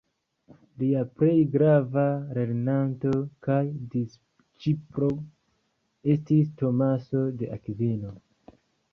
Lia plej grava lernanto kaj disĉiplo estis Tomaso de Akvino.